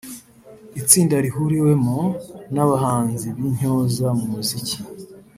itsinda rihuriwemo n’abahanzi b’intyoza mu muziki